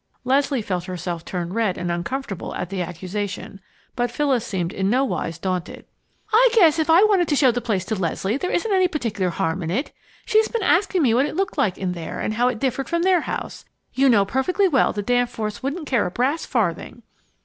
Leslie felt herself turn red and uncomfortable at the accusation, but Phyllis seemed in no wise daunted. "I guess if I want to show the place to Leslie, there isn't any particular harm in it. She's been asking me what it looked like in there and how it differed from their house. You know perfectly well, the Danforths wouldn't care a brass farthing!"